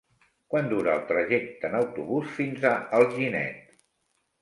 Quant dura el trajecte en autobús fins a Alginet?